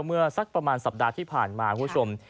เมื่อสักประมาณสัปดาห์ที่ผ่านมาคุณผู้ชม